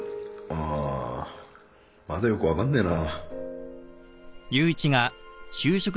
あまだよく分かんねえな